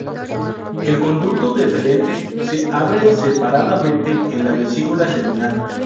El conducto deferente se abre separadamente en la vesícula seminal.